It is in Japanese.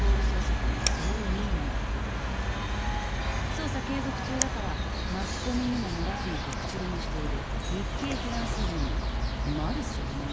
捜査継続中だからマスコミにも漏らすなと口止めしている日系フランス人のマルセル真梨邑さん。